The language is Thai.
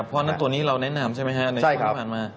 เพราะฉะนั้นตัวนี้เราแนะนำใช่ไหมฮะในช่วงที่ผ่านมา